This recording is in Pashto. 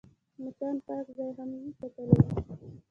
مچان پاک ځای هم چټلوي